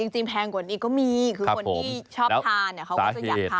แพงกว่านี้ก็มีคือคนที่ชอบทานเขาก็จะอยากทาน